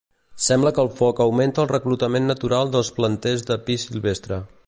Sembla que el foc augmenta el reclutament natural dels planters de pi silvestre.